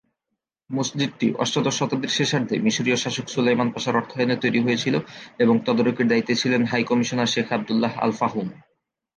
মসজিদটি অষ্টাদশ শতাব্দীর শেষার্ধে মিশরীয় শাসক সুলাইমান পাশার অর্থায়নে তৈরি হয়েছিল এবং তদারকির দায়িত্বে ছিলেন হাই কমিশনার শেখ আবদুল্লাহ আল-ফাহুম।